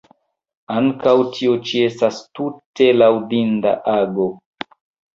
Ankaŭ tio ĉi estas tute laŭdinda ago.